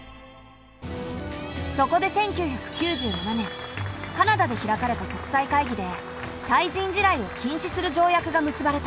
そこで１９９７年カナダで開かれた国際会議で対人地雷を禁止する条約が結ばれた。